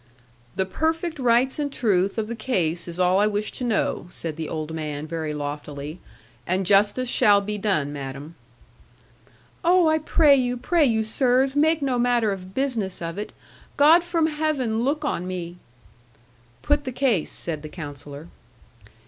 'The perfect rights and truth of the case is all I wish to know,' said the old man, very loftily: 'and justice shall be done, madam.' 'Oh, I pray you pray you, sirs, make no matter of business of it. God from Heaven, look on me!' 'Put the case,' said the Counsellor.